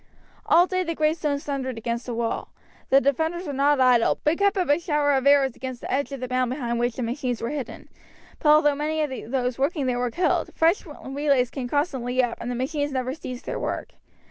All day the great stones thundered against the wall. The defenders were not idle, but kept up a shower of arrows at the edge of the mound behind which the machines were hidden; but although many of those working there were killed, fresh relays came constantly up, and the machines never ceased their work.